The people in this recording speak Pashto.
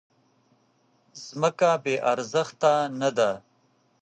ځمکه بې ارزښته نه ده.